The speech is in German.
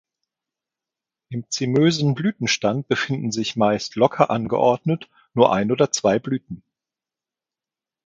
Im zymösen Blütenstand befinden sich meist locker angeordnet nur ein oder zwei Blüten.